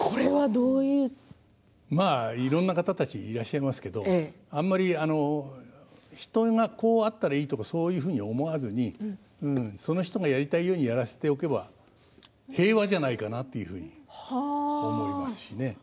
いろいろな方たちがいらっしゃいますけれどあまり人がこうあったらいいとかそういうふうに思わずにその人がやりたいようにやらせておけば平和じゃないかなというふうに思いますしね。